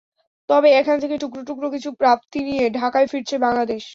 তবে এখান থেকে টুকরো টুকরো কিছু প্রাপ্তি নিয়ে ঢাকায় ফিরছে বাংলাদেশ।